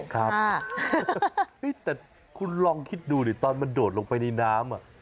ครับแต่คุณลองคิดดูดิตอนมันโดดลงไปในน้ำ